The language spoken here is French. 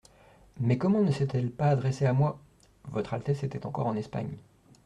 Mais comment ne s'est-elle pas adressée à moi ? Votre Altesse était encore en Espagne.